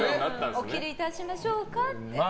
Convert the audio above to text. お切りいたしましょうかって。